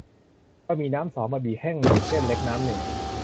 บะหมี่น้ำสอง บะหมี่แห้งหนึ่ง เส้นเล็กน้ำหนึ่ง